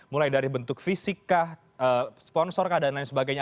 mulai dari bentuk fisik kah sponsor kah dan lain sebagainya